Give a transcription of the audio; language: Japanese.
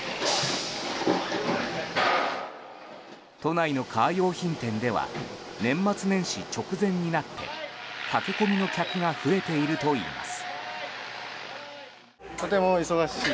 都内のカー用品店では年末年始直前になって駆け込みの客が増えているといいます。